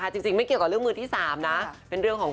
ตัวเองเป็นคนโสด๒๐๒๐ค่ะ